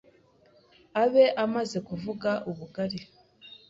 abe amaze kuvuga ubugari,